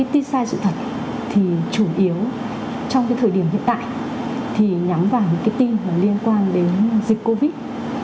tin sai sự thật thì chủ yếu trong thời điểm hiện tại nhắm vào những tin liên quan đến dịch covid một mươi chín